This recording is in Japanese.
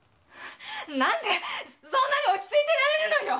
何でそんなに落ち着いていられるのよ！